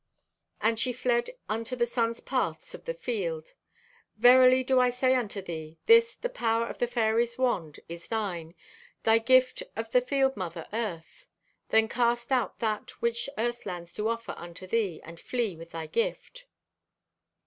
"And she fled unto the sun's paths of the fields. "Verily do I to say unto thee, this, the power of the fairies' wand, is thine, thy gift of thy field mother, Earth. Then cast out that which earth lands do offer unto thee and flee with thy gift."